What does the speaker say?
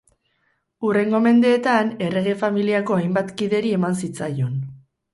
Hurrengo mendeetan errege familiako hainbat kideri eman zitzaion.